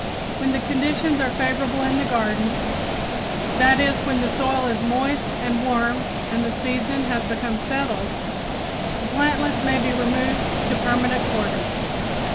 When conditions are favorable in the garden; that is, when the soil is moist and warm and the season has become settled, the plantlets may be removed to permanent quarters.